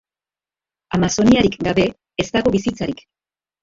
Amazoniarik gabe ez dago bizitzarik.